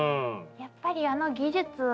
やっぱりあの技術。